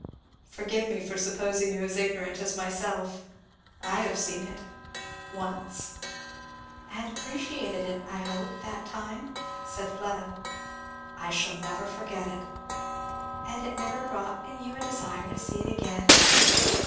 "Forgive me for supposing you as ignorant as myself. I have seen it once." "Appreciated it, I hope, that time?" said Fleda. "I shall never forget it." "And it never wrought in you a desire to see it again?"